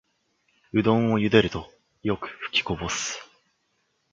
うどんをゆでるとよくふきこぼす